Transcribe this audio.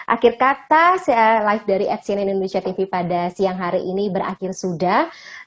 akhir kata live dari at cnn indonesia tv pada siang hari ini berakhir sudah